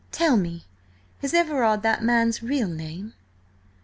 "Tell me, is 'Everard' that man's real name?"